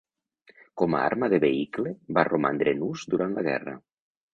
Com a arma de vehicle, va romandre en ús durant la guerra.